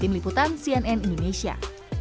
tim liputan cnn indonesia